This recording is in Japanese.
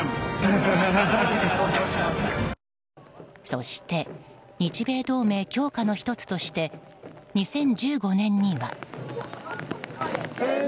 そして日米同盟強化の一つとして２０１５年には。